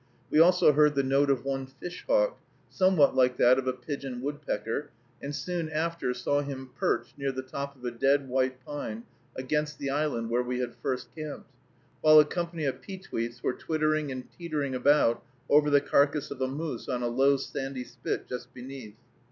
We also heard the note of one fish hawk, somewhat like that of a pigeon woodpecker, and soon after saw him perched near the top of a dead white pine against the island where we had first camped, while a company of peetweets were twittering and teetering about over the carcass of a moose on a low sandy spit just beneath.